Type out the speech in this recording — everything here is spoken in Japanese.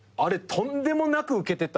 とんでもなくウケました。